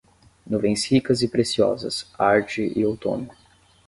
Nuvens ricas e preciosas, arte e outono